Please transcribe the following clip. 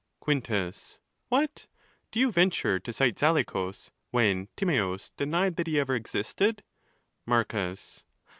Quinitus.—What, do you. venture to cite Zaleucus, when Timeeus denies that he ever existed ?| Marcus.